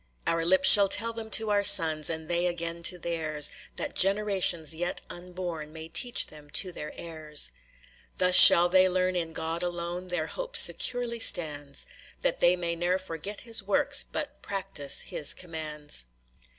"Our lips shall tell them to our sons, And they again to theirs; That generations yet unborn May teach them to their heirs. "Thus shall they learn in God alone Their hope securely stands;. That they may ne'er forget his works, But practise his commands."